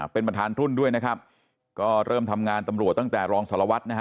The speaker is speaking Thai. เป็นประธานรุ่นด้วยนะครับก็เริ่มทำงานตำรวจตั้งแต่รองสารวัตรนะฮะ